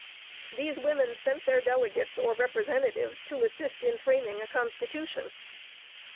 These women sent their delegates or representatives to assist in framing a Constitution.